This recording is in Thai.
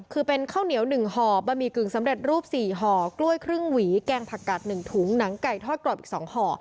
คือเป็นข้าวเหนียว๑ห่อบะหมี่กึ่งสำเร็จรูป๔ห่อกล้วยครึ่งหวีแกงผักกัด๑ถุงหนังไก่ทอดกรอบอีก๒ห่อ